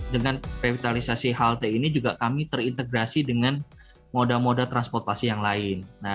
dengan revitalisasi halte ini juga kami terintegrasi dengan moda moda transportasi yang lain